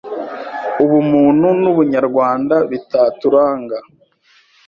Ubumuntu n’Ubunyarwanda bitaturanga